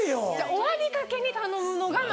終わりかけに頼むのが。